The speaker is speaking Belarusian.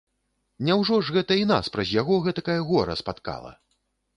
Няўжо ж гэта і нас праз яго гэтакае гора спаткала?